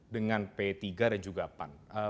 dengan p tiga dan juga pan